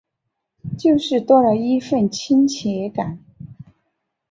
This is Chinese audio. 就是多了一分亲切感